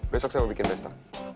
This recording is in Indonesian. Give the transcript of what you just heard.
besok saya mau bikin pesta